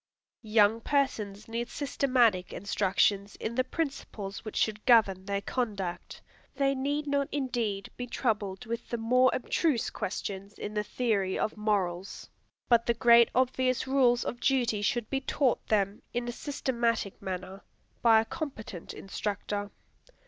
Young persons need systematic instructions in the principles which should govern their conduct. They need not indeed be troubled with the more abstruse questions in the theory of morals. But the great obvious rules of duty should be taught them, in a systematic manner, by a competent instructor.